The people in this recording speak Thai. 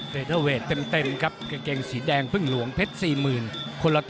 เตะเตอร์เวทเต็มครับเก่งสีแดงพึ่งหลวงเพชร๔๐๐๐๐